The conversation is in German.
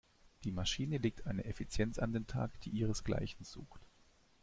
Die Maschine legt eine Effizienz an den Tag, die ihresgleichen sucht.